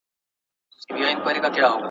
ولسي جرګه تل نوي قانوني چوکاټونه جوړوي.